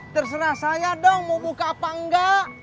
terserah saya dong mau buka apa enggak